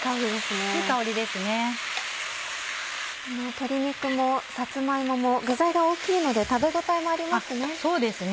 鶏肉もさつま芋も具材が大きいので食べ応えもありますね。